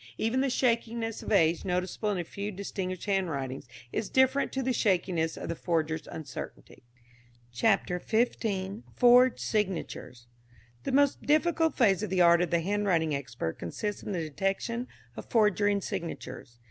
Even the shakiness of age noticeable in a few distinguished handwritings is different to the shakiness of the forger's uncertainty. CHAPTER XV. FORGED SIGNATURES. The most difficult phase of the art of the handwriting expert consists in the detection of forgery in signatures.